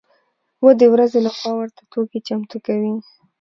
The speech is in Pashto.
و د ورځې له خوا ورته توکي چمتو کوي.